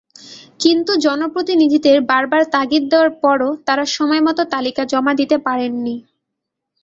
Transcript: কিন্তু জনপ্রতিনিধিদের বারবার তাগিদ দেওয়ার পরও তাঁরা সময়মতো তালিকা জমা দিতে পারেননি।